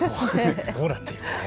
どうなっているのか。